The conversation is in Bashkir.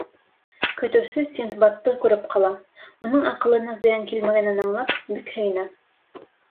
Көтөүсе Синдбадты күреп ҡала, уның аҡылына зыян килмәгәнен аңлап, бик һөйөнә.